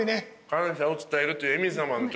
感謝を伝えるという映見さまの。